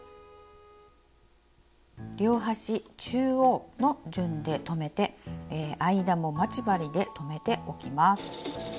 両端中央の順で留めて間も待ち針で留めておきます。